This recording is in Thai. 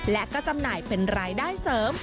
และก็จำหน่ายเป็นรายได้เสริม